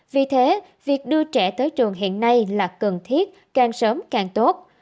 vì thế việc đưa trẻ tới trường hiện nay là cần thiết càng sớm càng tốt